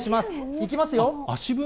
いきますよ。